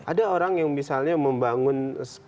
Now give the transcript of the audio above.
ada orang yang misalnya membangun